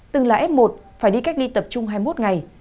từng là f một phải đi cách ly tập trung hai mươi một ngày